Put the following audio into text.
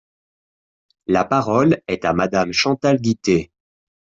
La parole est à Madame Chantal Guittet.